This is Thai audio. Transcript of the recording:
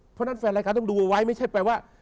เพราะฉะนั้นแฟนรายการต้องดูเอาไว้ไม่ใช่แปลว่า